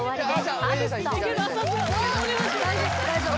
大丈夫？